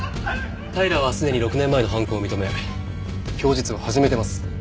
平良はすでに６年前の犯行を認め供述を始めてます。